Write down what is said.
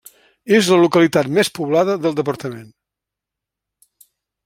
És la localitat més poblada del departament.